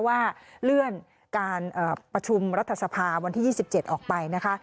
ว่าเลื่อนการประชุมรัฐสภาวันที่๒๗ออกไปนะคะ